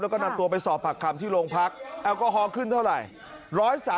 แล้วก็นำตัวไปสอบผักคำที่โรงพักแอลกอฮอลขึ้นเท่าไหร่